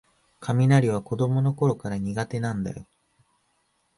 雷は子どものころから苦手なんだよ